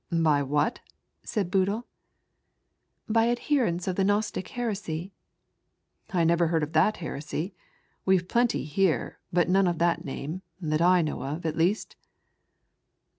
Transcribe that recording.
''By what?" said Boodle. "By adherents of the Gnostic heresy?" "I never heard of that heresy. We've plenty here, but none of that name, that I know of, at least."